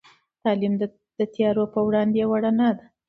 تعلیم د تيارو په وړاندې یوه رڼا ده.